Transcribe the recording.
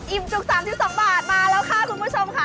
จุก๓๒บาทมาแล้วค่ะคุณผู้ชมค่ะ